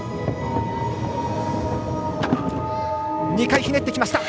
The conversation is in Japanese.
２回ひねってきました。